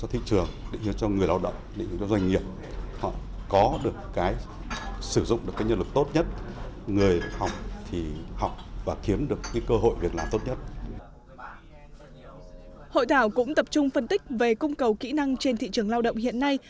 hội thảo cũng tập trung phân tích về cung cầu kỹ năng trên thị trường lao động hiện nay